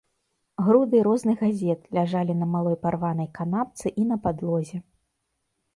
Груды розных газет ляжалі на малой парванай канапцы і на падлозе.